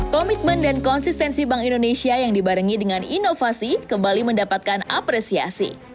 komitmen dan konsistensi bank indonesia yang dibarengi dengan inovasi kembali mendapatkan apresiasi